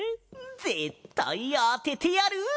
ぜったいあててやる！